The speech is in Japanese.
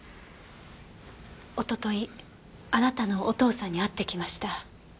一昨日あなたのお父さんに会ってきました。